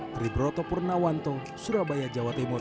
dari broto purnawanto surabaya jawa timur